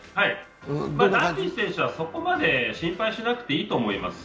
ダルビッシュ選手はそこまで心配しなくていいと思います。